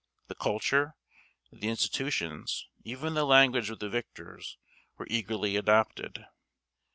The culture, the institutions, even the language of the victors, were eagerly adopted.